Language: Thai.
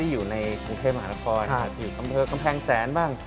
อยู่กำเภอกำแพงแสนบ้าง